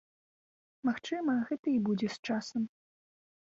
Магчыма, гэта і будзе з часам.